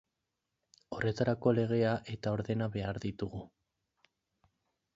Horretarako legea eta ordena behar ditugu.